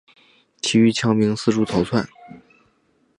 其余羌兵四处逃窜。